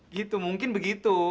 gitu mungkin begitu